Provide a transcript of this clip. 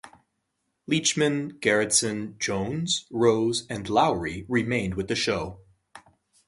Leachman, Gerritsen, Jones, Rose, and Lowry remained with the show.